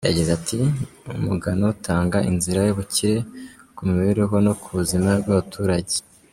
Yagize ati “Umugano utanga inzira z’ubukire ku mibereho no ku buzima bw’abaturage.